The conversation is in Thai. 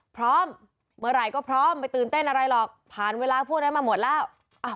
พร้อมเมื่อไหร่ก็พร้อมไม่ตื่นเต้นอะไรหรอกผ่านเวลาพวกนั้นมาหมดแล้ว